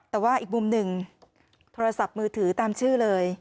แต่ว่าอีกมุมหนึ่งโทรศัพท์มือถือตามชื่อเลย